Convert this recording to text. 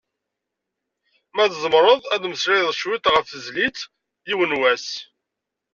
Ma tzemmreḍ ad d-temmeslayeḍ cwiṭ ɣef tezlit "Yiwen wass".